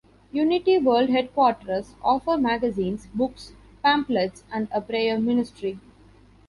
Unity World Headquarters offer magazines, books, pamphlets and a prayer ministry.